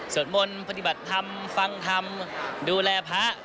มนต์ปฏิบัติธรรมฟังธรรมดูแลพระ